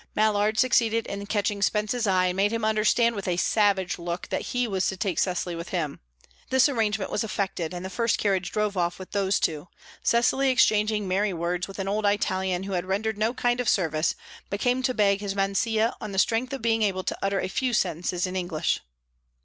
Mallard succeeded in catching Spence's eye, and made him understand with a savage look that he was to take Cecily with him. This arrangement was effected, and the first carriage drove off with those two, Cecily exchanging merry words with an old Italian who had rendered no kind of service, but came to beg his mancia on the strength of being able to utter a few sentences in English.